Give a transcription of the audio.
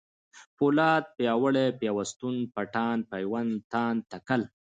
پولاد ، پیاوړی ، پيوستون ، پټان ، پېوند ، تاند ، تکل